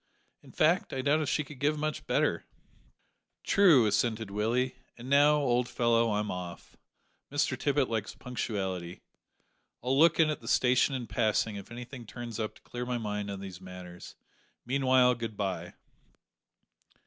"In fact, I doubt if she could give better." "True," assented Willie, "and now, old fellow, I'm off. Mr Tippet likes punctuality. I'll look in at the station in passing if anything turns up to clear my mind on these matters; meanwhile good bye."